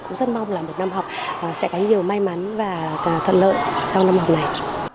cũng rất mong là một năm học sẽ có nhiều may mắn và thuận lợi sau năm học này